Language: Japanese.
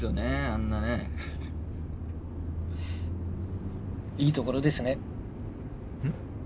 あんなねいいところですねうん？